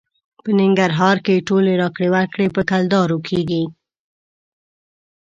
په ننګرهار کې ټولې راکړې ورکړې په کلدارې کېږي.